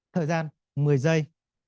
thời gian một mươi giây